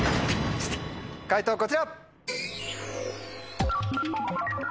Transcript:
解答こちら。